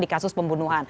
di kasus pembunuhan